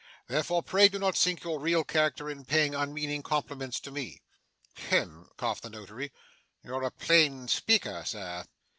Therefore, pray do not sink your real character in paying unmeaning compliments to me.' 'Hem!' coughed the Notary. 'You're a plain speaker, sir.